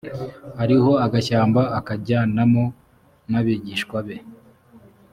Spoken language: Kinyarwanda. hariho agashyamba akajyanamo n abigishwa be